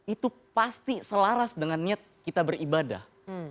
itu pasti selaras dengan niat kita beribadah